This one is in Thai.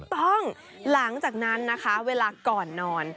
หลังจากนั้นนะคะเวลาก่อนนอน